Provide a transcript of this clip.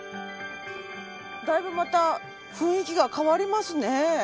だいぶまた雰囲気が変わりますね。